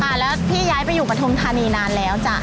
มาแล้วพี่ย้ายไปอยู่ปฐุมธานีนานแล้วจ้ะ